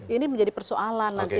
ini menjadi persoalan nanti